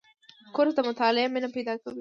کورس د مطالعې مینه پیدا کوي.